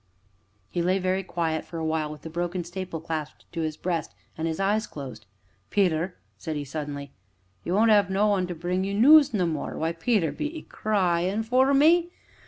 He lay very quiet for a while, with the broken staple clasped to his breast, and his eyes closed. "Peter," said he suddenly, "you won't 'ave no one to bring you noos no more why, Peter! be 'ee cryin' for me?